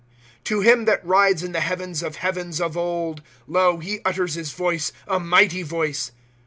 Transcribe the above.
^^ To him that rides in the heavens of heavens of old. Lo, he utters his voice, a mighty voice.